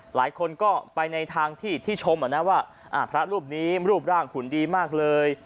หลายคนก็ไปในทางที่ชมว่าพระรูปนี้รูปร่างหุ่นดีมากเลย